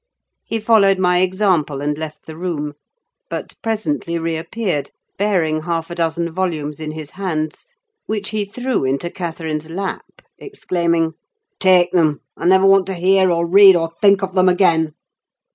He followed my example, and left the room; but presently reappeared, bearing half a dozen volumes in his hands, which he threw into Catherine's lap, exclaiming,—"Take them! I never want to hear, or read, or think of them again!"